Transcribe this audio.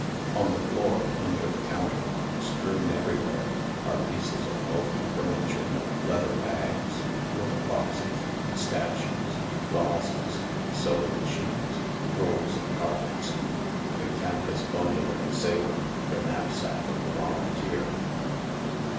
On the floor, under the counter, strewn everywhere, are pieces of bulky furniture, lea ther bags, work boxes, statues, vases, sewing machines, rolls of car pets, the canvas bundle of the sailor, the knapsack of the volunteer.